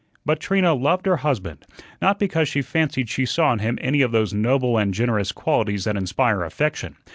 But Trina loved her husband, not because she fancied she saw in him any of those noble and generous qualities that inspire affection.